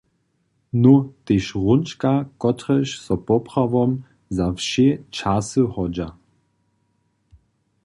Nó, tež hrónčka, kotrež so poprawom za wšě časy hodźa.